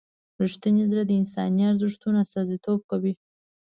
رښتونی زړه د انساني ارزښتونو استازیتوب کوي.